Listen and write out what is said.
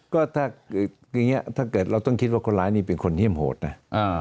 ก็ถ้าอย่างนี้ถ้าเกิดเราต้องคิดว่าคนร้ายนี่เป็นคนเยี่ยมโหดนะ